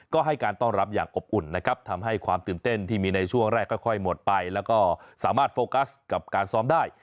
ก็ให้การต้อนรับอย่างอบอุ่นนะครับทำให้ความตื่นเต้นที่มีในช่วงแรกค่อยหมดไปแล้วก็สามารถโฟกัสกับการซ้อมได้